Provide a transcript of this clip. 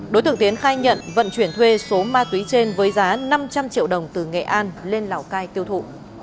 đối tượng tiến khai nhận vận chuyển thuê số ma túy trên với giá năm trăm linh triệu đồng từ nghệ an lên lào cai tiêu thụ